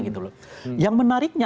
empat puluh lima gitu loh yang menariknya